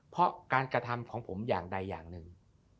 เพราะการกระทำของผมอย่างใดอย่างหนึ่ง